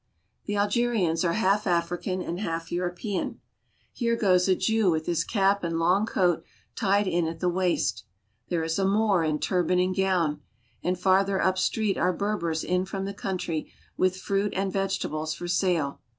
The Algerians are half African and half European. Here goes a Jew with his cap and long coat tied in at the waist; there is a Moor in turban and gown, and farther up street are Berbers in from the country with fruit and vegetables for sale.